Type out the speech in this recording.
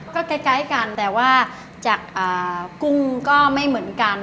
ก็ใกล้กันแต่ว่าจากกุ้งก็ไม่เหมือนกัน